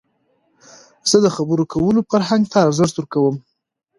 زه د خبرو کولو فرهنګ ته ارزښت ورکوم.